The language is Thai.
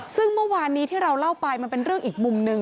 ซึ่งเมื่อวานนี้ที่เราเล่าไปมันเป็นเรื่องอีกมุมหนึ่ง